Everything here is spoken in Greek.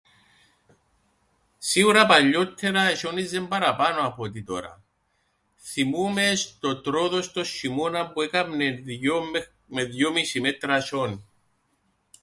Σίουρα παλιόττερα εσ̆ιόνιζεν παραπάνω απ' ό,τι τωρά, θθυμούμαι στο Τροόδος τον σ̆ειμώναν που έκαμνεν δυο με δυόμισι μέτρα σ̆ιόνιν.